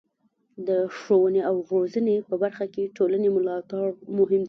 د ښوونې او روزنې په برخه کې د ټولنې ملاتړ مهم دی.